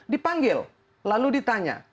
dipanggil lalu ditanya